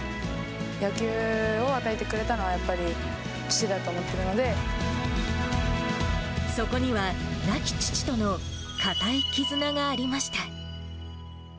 野球を与えてくれたのは、そこには、亡き父との固い絆がありました。